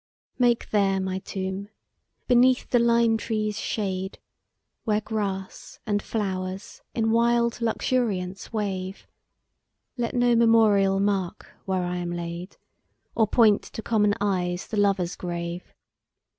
MAKE there my tomb, beneath the lime tree's shade, Where grass and flowers in wild luxuriance wave; Let no memorial mark where I am laid, Or point to common eyes the lover's grave!